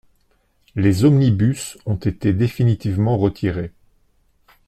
Les omnibus ont été définitivement retirés.